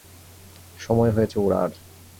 সময় হয়েছে উড়ার!